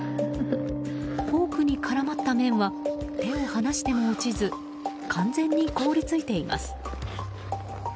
フォークに絡まった麺は手を放しても落ちず完全に凍り付いています。